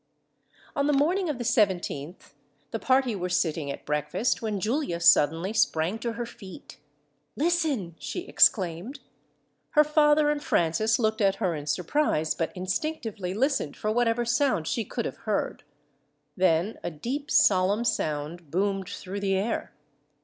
On the morning of the 17th, the party were sitting at breakfast, when Giulia suddenly sprang to her feet. "Listen!" she exclaimed. Her father and Francis looked at her in surprise, but instinctively listened for whatever sound she could have heard. Then a deep, solemn sound boomed through the air.